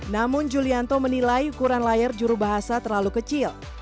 namun julianto menilai ukuran layar juru bahasa terlalu kecil